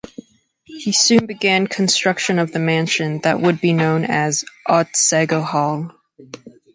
He soon began construction of the mansion that would be known as Otsego Hall.